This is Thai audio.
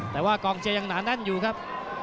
แต่ว่ากองเชียร์ยังหนาแน่นอยู่ครับ